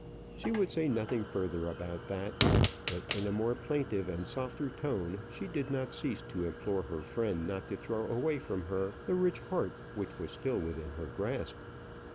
She would say nothing further about that; but in a more plaintive and softer tone she did not cease to implore her friend not to throw away from her the rich heart which was still within her grasp.